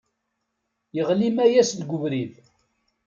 Yeɣli Mayas deg ubrid.